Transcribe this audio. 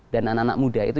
anak anak muda itu